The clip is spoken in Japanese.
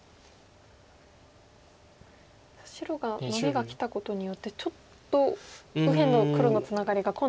白がノビがきたことによってちょっと右辺の黒のツナガリが今度は。